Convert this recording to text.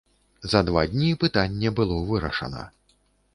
За два дні пытанне было вырашана.